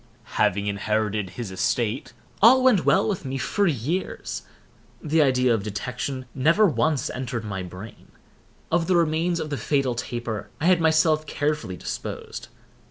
Having inherited his estate, all went well with me for years. The idea of detection never once entered my brain. Of the remains of the fatal taper I had myself carefully disposed.